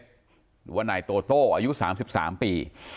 หรือว่านายโตโต้อายุ๓๓ปี